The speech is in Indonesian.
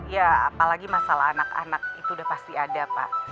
ya apalagi masalah anak anak itu udah pasti ada pak